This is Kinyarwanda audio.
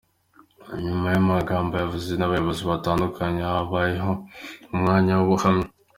Nyuma y’amagambo yavuzwe n’abayobozi batandukanye, habayeho n’umwanya w’ubuhamya.